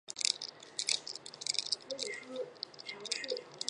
在现代每位学习数学物理的学生都会学到此方程式。